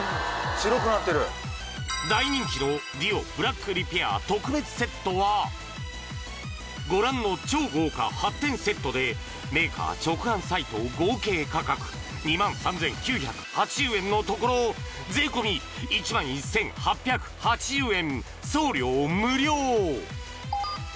白くなってる大人気のＤＵＯブラックリペア特別セットはご覧の超豪華８点セットでメーカー直販サイト合計価格２３９８０円のところ税込１１８８０円